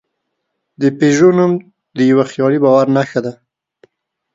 د پيژو نوم د یوه خیالي باور نښه ده.